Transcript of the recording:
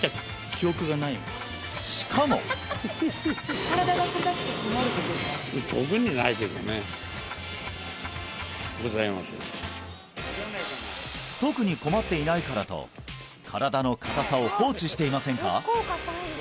しかも特に困っていないからと身体の硬さを放置していませんか？